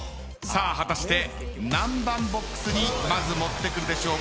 さあ果たして何番ボックスにまず持ってくるでしょうか？